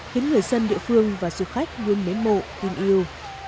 khiến người dân địa phương và du khách luôn mến mộ tin yêu